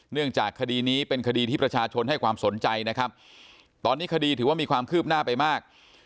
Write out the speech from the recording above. เนื่องจากคดีนี้เป็นคดีที่ประชาชนให้ความสนใจนะครับตอนนี้คดีถือว่ามีความคืบหน้าไปมาก